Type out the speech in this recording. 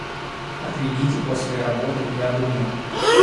Отведите после работы, я думаю.